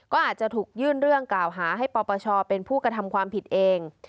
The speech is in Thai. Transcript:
ก็อาจจะถูกยื่นเรื่องกล่าวหาให้ปปชเป็นผู้กระทำความผิดเอง